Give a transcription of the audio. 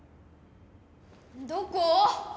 どこ？